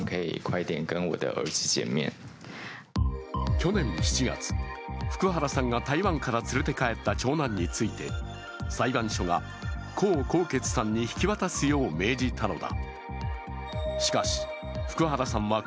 去年７月、福原さんが台湾から連れて帰った長男について、裁判所が江宏傑さんに引き渡すよう命じたのだ。